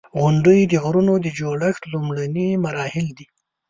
• غونډۍ د غرونو د جوړښت لومړني مراحل دي.